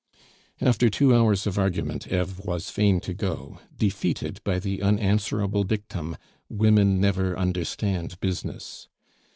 After two hours of argument Eve was fain to go, defeated by the unanswerable dictum, "Women never understand business."